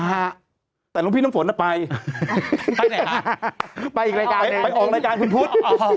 ฮะแต่หลวงพี่น้ำฝนน่ะไปไปไหนฮะไปอีกรายการไปออกรายการคุณพุทธ